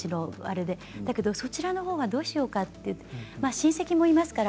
だけど土地のほうはどうしようかと親戚もいますから。